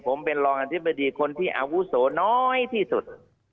ผมเป็นรองอธิบดีคนที่อาวุโสน้อยที่สุด